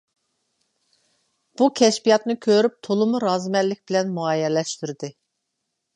بۇ كەشپىياتنى كۆرۈپ تولىمۇ رازىمەنلىك بىلەن مۇئەييەنلەشتۈردى.